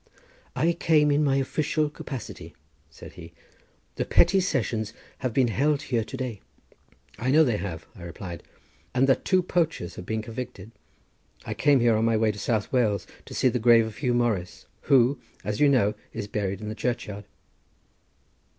"I came in my official capacity," said he; "the petty sessions have been held here to day." "I know they have," I replied; "and that two poachers have been convicted. I came here in my way to South Wales to see the grave of Huw Morris, who, as you know, is buried in the churchyard."